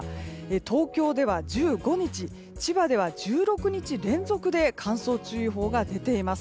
東京では１５日千葉では１６日連続で乾燥注意報が出ています。